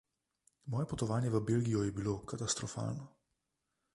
Moje potovanje v Belgijo je bilo katastrofalno.